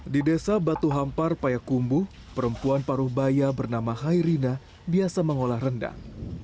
di desa batuhampar payakumbu perempuan paruh baya bernama hairina biasa mengolah rendang